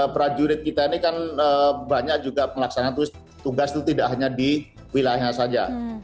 prajurit kita ini kan banyak juga pelaksana tugas itu tidak hanya di wilayahnya saja